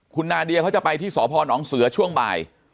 คุณนาเดียเขาจะไปที่สพนเสือช่วงบ่าย